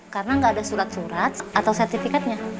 karena gak ada surat surat atau sertifikatnya